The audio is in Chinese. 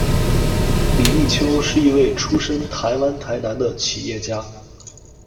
李丽秋，是一位出身台湾台南的企业家。